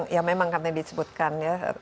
ya memang katanya disebutkan ya